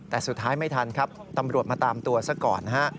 แต่สุดท้ายไม่ทันครับตำรวจมาตามตัวซะก่อนนะฮะ